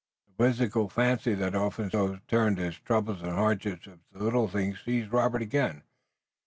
The whimsical fancy that so often turned his troubles and hardships into little things seized Robert again.